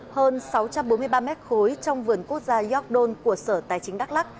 hơn sáu trăm bốn mươi ba mét khối trong vườn quốc gia york don của sở tài chính đắk lắc